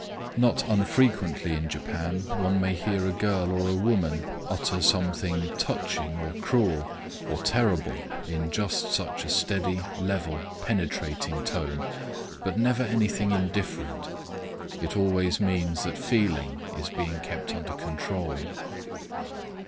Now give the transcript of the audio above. Not unfrequently in Japan one may hear a girl or a woman utter something touching or cruel or terrible in just such a steady, level, penetrating tone, but never anything indifferent. It always means that feeling is being kept under control.